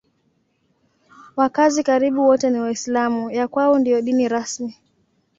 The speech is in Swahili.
Wakazi karibu wote ni Waislamu; ya kwao ndiyo dini rasmi.